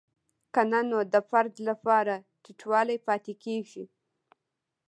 که نه نو د فرد لپاره ټیټوالی پاتې کیږي.